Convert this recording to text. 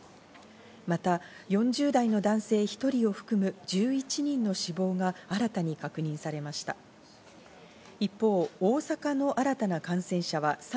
また４０代の男性１人を含む１１人の死亡が新たに確認されました。